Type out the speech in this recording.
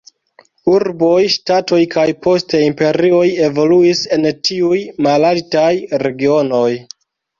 Urboj, ŝtatoj kaj poste imperioj evoluis en tiuj malaltaj regionoj.